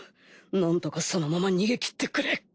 なんとかそのまま逃げきってくれ